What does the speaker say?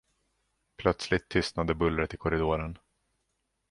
Plötsligt tystnade bullret i korridoren.